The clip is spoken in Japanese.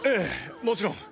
もちろん。